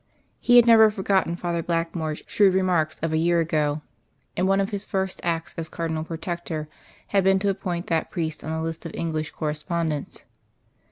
He had never forgotten Father Blackmore's shrewd remarks of a year ago; and one of his first acts as Cardinal Protector had been to appoint that priest on the list of English correspondents.